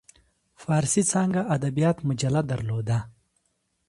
فارسي څانګه ادبیات مجله درلوده.